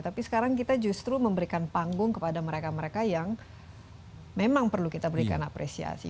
tapi sekarang kita justru memberikan panggung kepada mereka mereka yang memang perlu kita berikan apresiasi